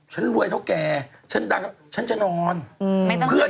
ใครต้องการเขาเลย